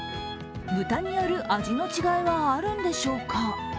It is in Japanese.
豚による味の違いはあるんでしょうか。